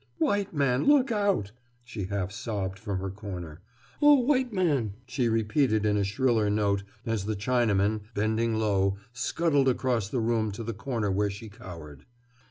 "White man, look out!" she half sobbed from her corner. "Oh, white man!" she repeated in a shriller note as the Chinaman, bending low, scuttled across the room to the corner where she cowered.